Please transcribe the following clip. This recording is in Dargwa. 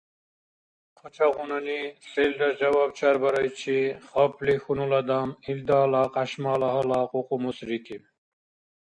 Къачагъунани селра жаваб чарбарайчи хапли хьунул адам илдала кьяшмала гьала кьукьмусрикиб.